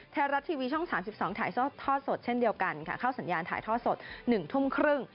ไทยรัฐทีวีช่อง๓๒ถ่ายทอดสดเช่นเดียวกันค่ะเข้าสัญญาณถ่ายทอดสด๑ทุ่มครึ่ง